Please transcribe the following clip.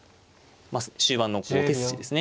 終盤の手筋ですね。